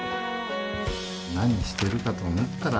何してるかと思ったら。